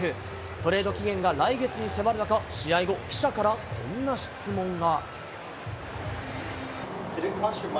トレード期限が来月に迫る中、試合後、記者からこんな質問が。